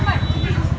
có lại đâu ạ